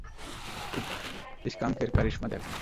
স্কাঙ্কের কারিশমা দেখ।